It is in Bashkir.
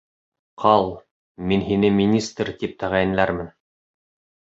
Ҡал, мин һине министр тип тәғәйенләрмен.